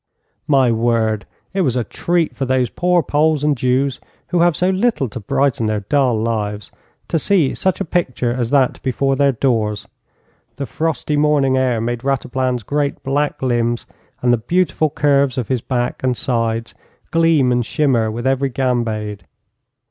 My word, it was a treat for those poor Poles and Jews, who have so little to brighten their dull lives, to see such a picture as that before their doors! The frosty morning air made Rataplan's great black limbs and the beautiful curves of his back and sides gleam and shimmer with every gambade.